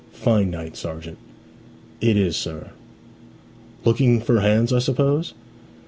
'Fine night, sergeant.' 'It is, sir.' 'Looking for hands, I suppose?'